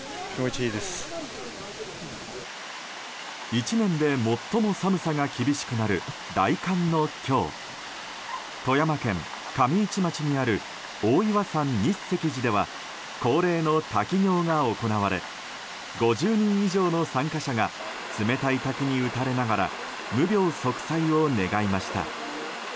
１年で最も寒さが厳しくなる大寒の今日富山県上市町にある大岩山日石寺では恒例の滝行が行われ５０人以上の参加者が冷たい滝に打たれながら無病息災を願いました。